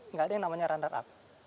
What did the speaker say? nggak ada yang namanya runner up